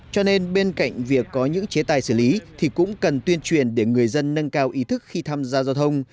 cho nên bên cạnh việc có những chế tài xử lý thì cũng cần tuyên truyền để người dân nâng cao ý thức khi tham gia giao thông